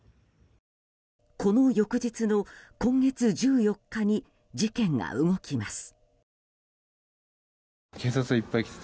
この翌日の今月１４日に事件が動きます。